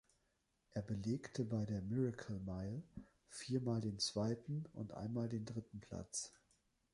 Er belegte bei der Miracle Mile viermal den zweiten und einmal den dritten Platz.